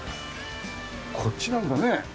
こっちなんだね。